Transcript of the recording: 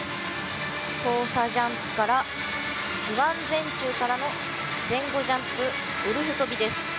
ジャンプから、スワン前宙からの前後ジャンプウルフとびです。